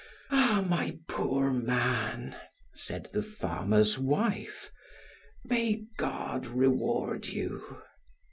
"Ah! my poor man!" said the farmer's wife, "may God reward you!"